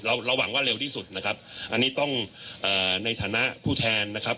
เราเราหวังว่าเร็วที่สุดนะครับอันนี้ต้องเอ่อในฐานะผู้แทนนะครับ